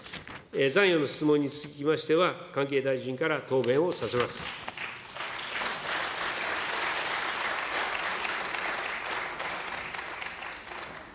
残余の質問につきましては、関係大臣から答弁をさせます。